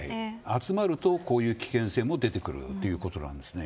集まると、こういう危険性も出てくるということなんですね。